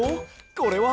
これは？